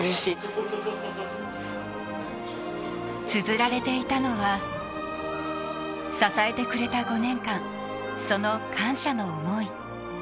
綴られていたのは、支えてくれた５年間、その感謝の思い。